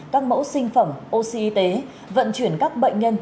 các mẫu sinh phẩm oxy y tế vận chuyển các bệnh nhân